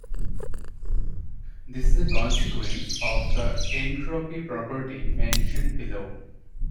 This is a consequence of the entropy property mentioned below.